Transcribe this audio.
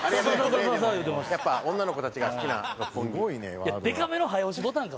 やっぱ女の子たちが好きな六本木。